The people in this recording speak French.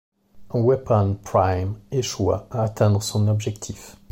Weapon Prime échoua à atteindre son objectif.